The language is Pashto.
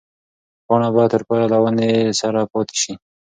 پاڼه باید تر پایه له ونې سره پاتې شي.